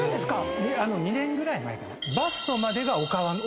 ２年ぐらい前から。